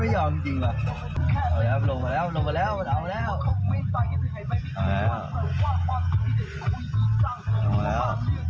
จอลงไปแล้ว